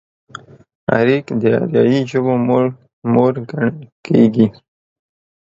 اريک د اريايي ژبو مور ګڼل کېږي.